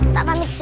tak pamit sih